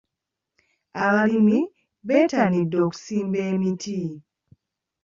Abalimi bettanidde okusimba emiti.